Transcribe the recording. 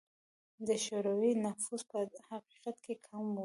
د شوروي نفوس په حقیقت کې کم و.